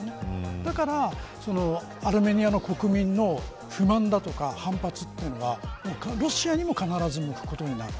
だからアルメニアの国民の不満だとか反発というのがロシアにも必ず向くことになる。